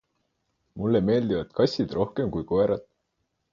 Mulle meeldivad kassid rohkem kui koerad.